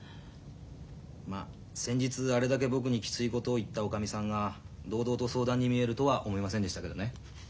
まっ先日あれだけ僕にきついことを言ったおかみさんが堂々と相談に見えるとは思いませんでしたけどね。